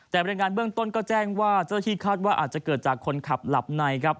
แต่บรรยายงานเบื้องต้นก็แจ้งว่าเจ้าหน้าที่คาดว่าอาจจะเกิดจากคนขับหลับในครับ